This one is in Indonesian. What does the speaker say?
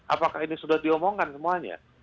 apakah ini sudah diomongkan semuanya